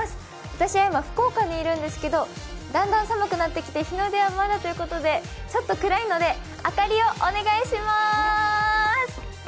私は今、福岡にいるんですけど、だんだん寒くなってきて日の出はまだということでちょっと暗いので明かりをお願いします。